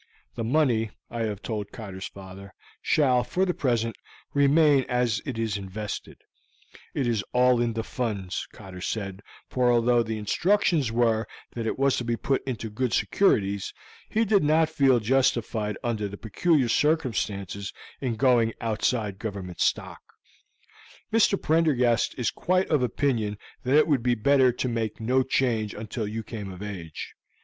The money, I have told Cotter's father, shall, for the present, remain as it is invested; it is all in the Funds, Cotter said, for although the instructions were that it was to be put into good securities, he did not feel justified under the peculiar circumstances in going outside Government stock. Mr. Prendergast is quite of opinion that it would be better to make no change until you come of age.